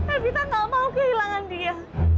evita tak mau kehilangan dia